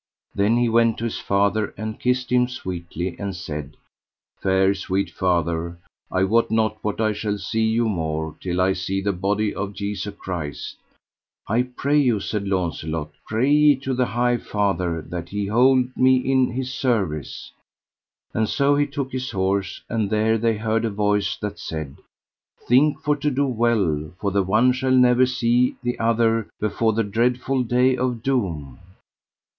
Then he went to his father and kissed him sweetly, and said: Fair sweet father, I wot not when I shall see you more till I see the body of Jesu Christ. I pray you, said Launcelot, pray ye to the High Father that He hold me in His service. And so he took his horse, and there they heard a voice that said: Think for to do well, for the one shall never see the other before the dreadful day of doom.